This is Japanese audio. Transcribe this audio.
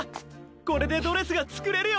これでドレスがつくれるよ！